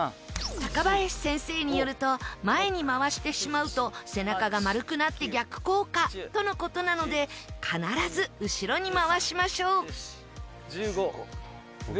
高林先生によると前に回してしまうと背中が丸くなって逆効果との事なので必ず後ろに回しましょう。